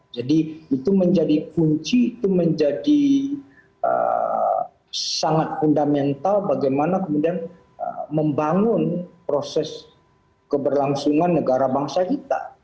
jadi itu menjadi kunci itu menjadi sangat fundamental bagaimana kemudian membangun proses keberlangsungan negara bangsa kita